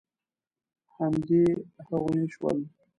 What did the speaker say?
همدې هغوی شول.